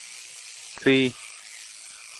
سي !.